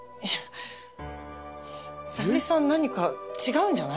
さゆりさん何か違うんじゃない？